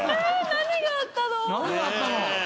何があったの？